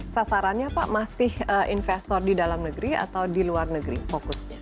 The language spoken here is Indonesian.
sasarannya pak masih investor di dalam negeri atau di luar negeri fokusnya